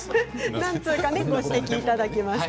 何通かご指摘いただきました。